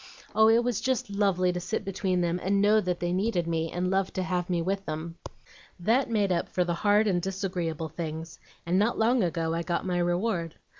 Oh, it was just lovely to sit between them and know that they needed me, and loved to have me with them! That made up for the hard and disagreeable things, and not long ago I got my reward.